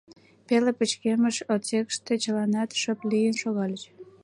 Пеле пычкемыш отсекыште чыланат шып лийын шогальыч.